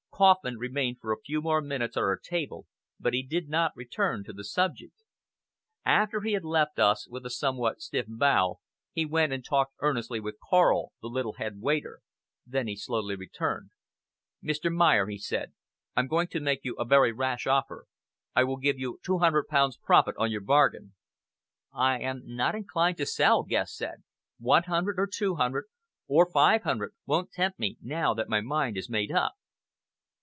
Kauffman remained for a few more minutes at our table, but he did not return to the subject. After he had left us with a somewhat stiff bow, he went and talked earnestly with Karl, the little head waiter. Then he slowly returned. "Mr. Mayer," he said, "I'm going to make you a very rash offer. I will give you £200 profit on your bargain." "I am not inclined to sell," Guest said. "One hundred, or two hundred, or five hundred won't tempt me now that my mind is made up."